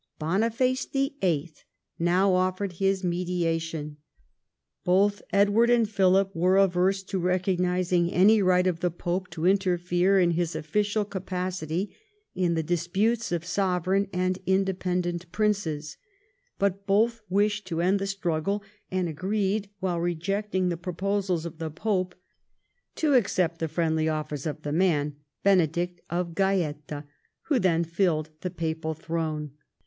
Boniface VIII. now offered his mediation. Both Edward and Philip were averse to recognising any right of the pope to interfere in his official capacity in the disputes of sovereign and independent princes ; but both wished to end the struggle, and agreed, while rejecting the proposals of the pope, to accept the friendly offers of the man, Benedict of Gaeta, who then filled the papal throne.